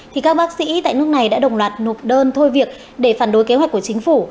thì các bác sĩ tại nước này đã đồng loạt nộp đơn thôi việc để phản đối kế hoạch của chính phủ